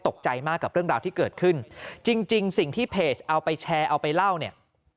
ตกใจมากกับเรื่องราวที่เกิดขึ้นจริงสิ่งที่เพจเอาไปแชร์เอาไปเล่าเนี่ย